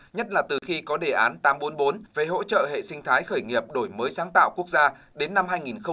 nhất là từ khi có đề án tám trăm bốn mươi bốn về hỗ trợ hệ sinh thái khởi nghiệp đổi mới sáng tạo quốc gia đến năm hai nghìn hai mươi năm